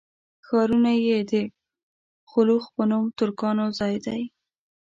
ښارونه یې د خلُخ په نوم ترکانو ځای دی.